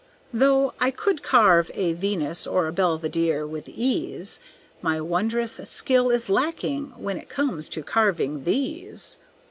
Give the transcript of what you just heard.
Though I could carve a Venus or a Belvedere with ease, My wondrous skill is lacking when it comes to carving these.